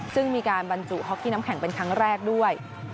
ซึ่งมีการบรรจุฮ็อกกี้น้ำแข็งเป็นครั้งแรกด้วย